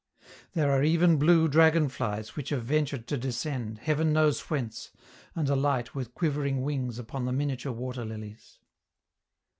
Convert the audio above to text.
There are even blue dragon flies which have ventured to descend, heaven knows whence, and alight with quivering wings upon the miniature water lilies.